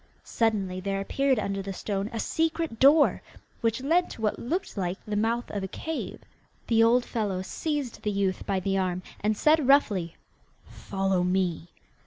Suddenly there appeared under the stone a secret door, which led to what looked like the mouth of a cave. The old fellow seized the youth by the arm, and said roughly, 'Follow me!